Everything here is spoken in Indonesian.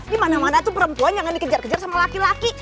di mana mana tuh perempuan yang ngekejar kejar sama laki laki